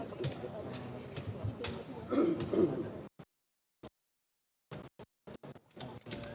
lagu kebangsaan indonesia raya